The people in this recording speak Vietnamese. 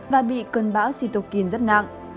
và bị cơn bão cytokine rất nặng